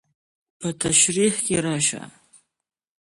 په تشريحي کې راشي.